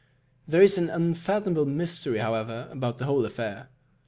There is an unfathomable mystery, however, about the whole affair.